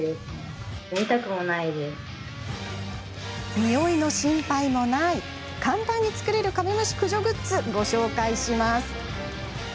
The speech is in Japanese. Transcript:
においの心配もない簡単に作れるカメムシ駆除グッズご紹介します。